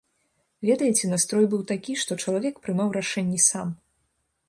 Ведаеце, настрой быў такі, што чалавек прымаў рашэнні сам.